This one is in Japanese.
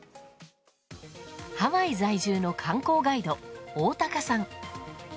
ハワイ在住の観光ガイド大高さん。